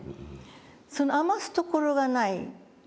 その余すところがない。